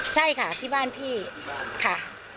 ใช่ค่ะที่บ้านพี่ค่ะ